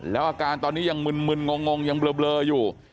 แล้วอาการตอนนี้ยังมึนงงยังเบลออยู่